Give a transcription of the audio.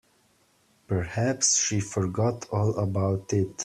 Perhaps she forgot all about it.